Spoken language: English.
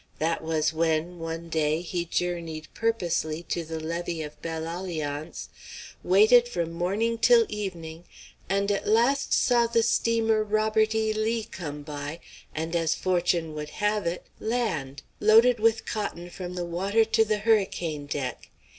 That was when, one day, he journeyed purposely to the levee of Belle Alliance, waited from morning till evening, and at last saw the steamer "Robert E. Lee" come by, and, as fortune would have it, land! loaded with cotton from the water to the hurricane deck.